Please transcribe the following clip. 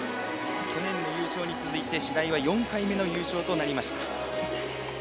去年の優勝に続いて白井は４回目の優勝となりました。